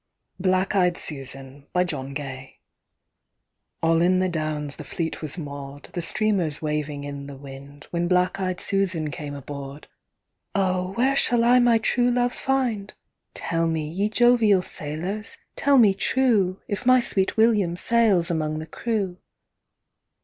Black Eyed Susan ALL in the Downs the fleet was moor'd, The streamers waving in the wind, When black eyed Susan came aboard;'O! where shall I my true love find? Tell me, ye jovial sailors, tell me trueIf my sweet William sails among the crew.